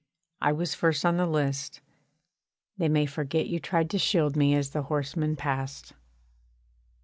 I was first on the list They may forget you tried to shield me as the horsemen passed.